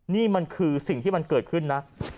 นี่มันคือสิ่งที่มันเกิดขึ้นนะ